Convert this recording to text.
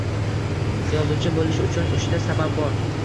Yozuvchi boʻlish uchun uchta sabab bor